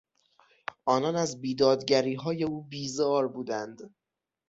آنان از بیدادگریهای او بیزار بودند.